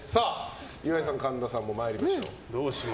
岩井さん、神田さんも参りましょう。